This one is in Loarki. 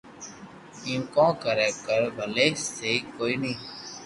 ايم ڪون ڪري ڪر ڀلي سھي ڪوئي ني